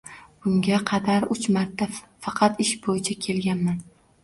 Bunga qadar uch marta faqat ish boʻyicha kelganman.